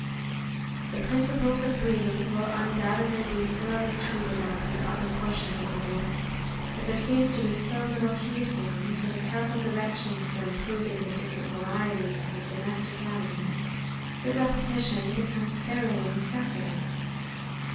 637 The principles of breeding will undoubtedly be thor oughly treated of in other portions of the work, but there seems to be so little heed given to the careful directions for improving the different varieties of the domestic ani mals, that repetition becomes fairly a necessity.